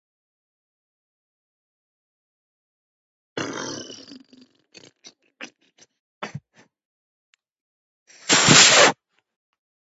აღმასრულებელი ხელისუფლება ეკუთვნის მთავრობას, რომლის მეთაურიც პრემიერ-მინისტრია.